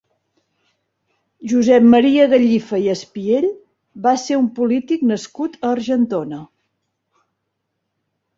Josep Maria Gallifa i Espiell va ser un polític nascut a Argentona.